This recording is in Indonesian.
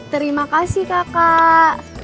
terima kasih kakak